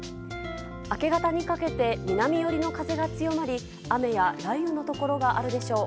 明け方にかけて南寄りの風が強まり雨や雷雨のところがあるでしょう。